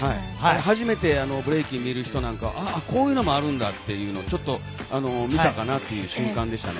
初めてブレイキンを見る人なんかはこういうのもあるんだっていうちょっと見たかなっていう瞬間でしたね。